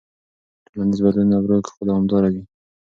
ټولنیز بدلونونه ورو خو دوامداره وي.